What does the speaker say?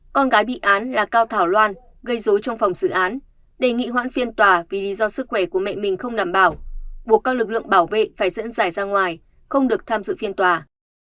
con gái bị án là cao thảo loan gây dối trong phòng xử án đề nghị hoãn phiên tòa vì lý do sức khỏe của mẹ mình không đảm bảo buộc các lực lượng bảo vệ phải dẫn dải ra ngoài không được tham dự phiên tòa